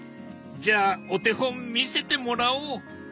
じゃあお手本見せてもらおう。